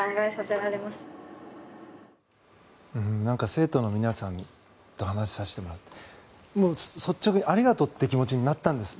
生徒の皆さんと話をさせてもらって率直にありがとうという気持ちになったんです。